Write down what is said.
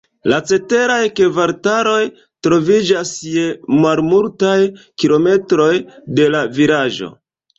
La ceteraj kvartaloj troviĝas je malmultaj kilometroj de la vilaĝo.